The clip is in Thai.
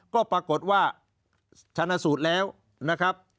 ก็ปรากฏว่าชนะสูตรแล้วนะครับ